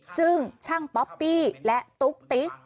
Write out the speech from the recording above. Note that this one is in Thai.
ซึ่งช่างป๊อปปี้และตุ๊กติ๊ก